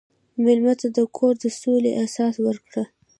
مېلمه ته د کور د سولې احساس ورکړه.